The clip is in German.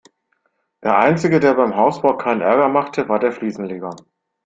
Der einzige, der beim Hausbau keinen Ärger machte, war der Fliesenleger.